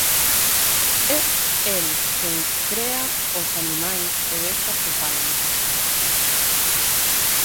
É el quen crea ós animais e bestas que falan.